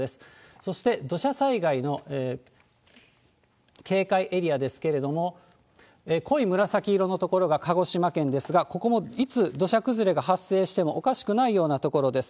そして土砂災害の警戒エリアですけれども、濃い紫色の所が鹿児島県ですが、ここも、いつ土砂崩れが発生してもおかしくないような所です。